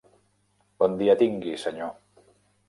Bon dia tingui, senyor.